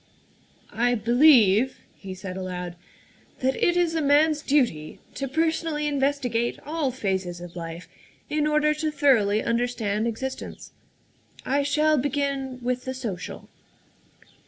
" I believe," he said aloud, " that it is a man's duty to personally investigate all phases of life in order to thoroughly understand existence. I shall begin with the social.